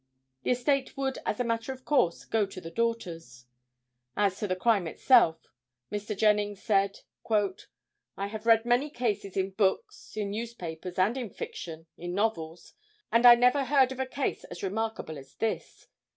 The estate would as a matter of course, go to the daughters. As to the crime itself, Mr. Jennings said: "I have read many cases in books, in newspapers and in fiction—in novels—and I never heard of a case as remarkable as this.